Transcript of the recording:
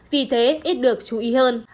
vì thế ít được chú ý hơn